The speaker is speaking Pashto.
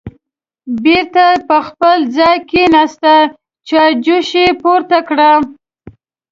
بېرته په خپل ځای کېناسته، چایجوش یې پورته کړه